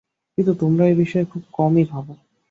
কিন্তু তোমরা এই-বিষয়ে খুব কমই ভাব।